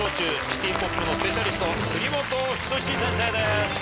シティポップのスペシャリスト栗本斉先生です。